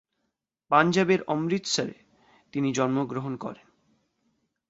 পাঞ্জাবের অমৃতসরে তিনি জন্ম গ্রহণ করেন।